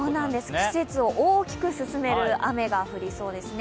季節を大きく進める雨が降りそうですね。